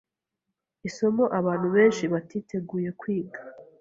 isomo abantu benshi batiteguye kwiga.